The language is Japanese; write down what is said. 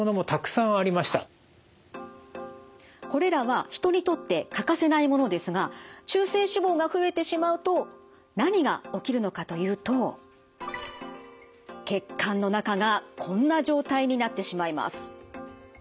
これらは人にとって欠かせないものですが中性脂肪が増えてしまうと何が起きるのかというと血管の中がこんな状態になってしまいます。